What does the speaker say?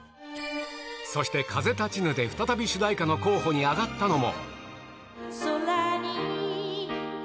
そして風立ちぬで再び主題歌の候補に挙がったのも。